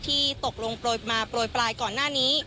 ที่ตกลงโปรยมาโปรยปลายก่อนหน้านี้